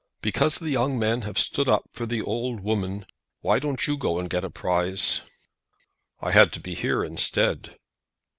"Because the young men have stood up for the old women. Why don't you go and get a prize?" "I had to be here instead."